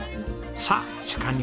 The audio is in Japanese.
さあ鹿肉